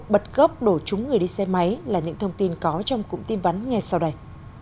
bật gốc đổ trúng người đi xe máy là những thông tin có trong cụm tin vắn ngay sau đây